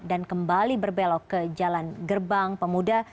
dan kembali berbelok ke jalan gerbang pemuda